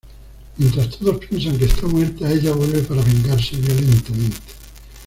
Mientras todos piensan que está muerta, ella vuelve para vengarse violentamente.